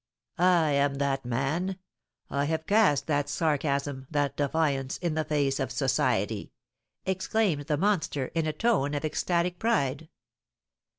"I am that man, I have cast that sarcasm, that defiance, in the face of society!" exclaimed the monster, in a tone of ecstatic pride.